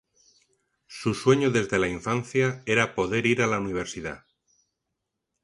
Su sueño desde la infancia era poder ir a la universidad.